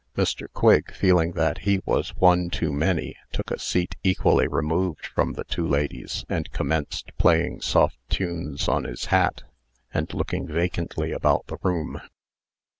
Mr. Quigg, feeling that he was one too many, took a "seat equally removed from the two ladies, and commenced playing soft tunes on his hat, and looking vacantly about the room.